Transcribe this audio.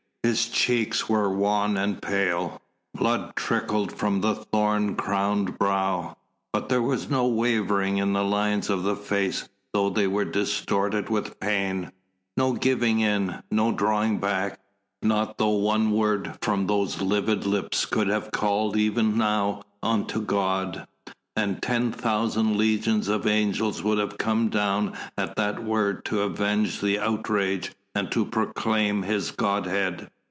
His cheeks were wan and pale, blood trickled from the thorn crowned brow, but there was no wavering in the lines of the face though they were distorted with pain, no giving in, no drawing back, not though one word from those livid lips could have called even now unto God, and ten thousand legions of angels would have come down at that word to avenge the outrage and to proclaim His godhead.